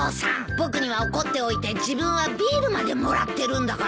僕には怒っておいて自分はビールまでもらってるんだから。